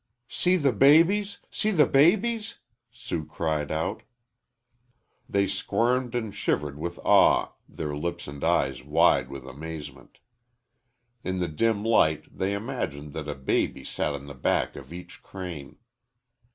"See the babies! See the babies!" Sue cried out. They squirmed and shivered with awe, their lips and eyes wide with amazement. In the dim light they imagined that a baby sat on the back of each crane.